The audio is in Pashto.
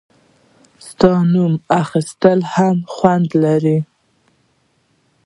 • ستا نوم اخیستل هم خوند لري.